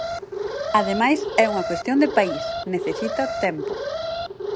Ademais é unha cuestión de país, necesita tempo.